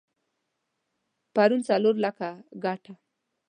پرون څلور لکه ګټه؛